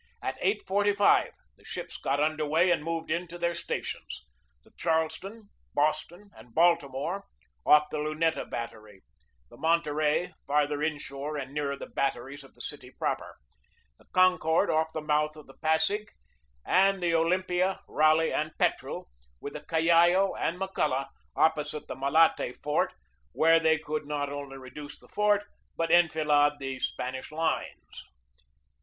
At 8.45 the ships got under way and moved in to their stations the Charleston, Boston, and Baltimore off the Luneta battery, the Monterey farther inshore and nearer the batteries of the city proper, the Con cord off the mouth of the Pasig, and the Olympia, Raleigh, and Petrel, with the Callao and McCulloch, opposite the Malate fort, where they could not only reduce the fort but enfilade the Spanish lines.